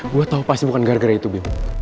gua tau pasti bukan gara gara itu bimo